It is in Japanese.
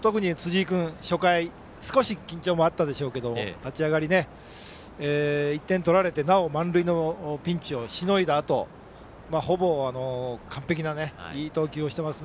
特に辻井君、初回少し緊張もあったでしょうが立ち上がり、１点取られてなお満塁のピンチをしのいだあとほぼ完璧ないい投球をしています。